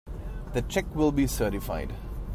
The check will be certified.